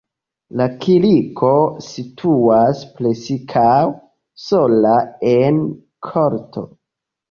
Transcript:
La kirko situas preskaŭ sola en korto.